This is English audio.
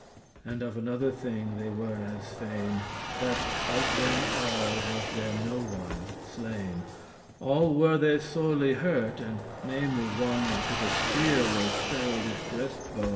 And of another thing they were as fain*. *glad That of them alle was there no one slain, All* were they sorely hurt, and namely one, *although especially That with a spear was thirled* his breast bone.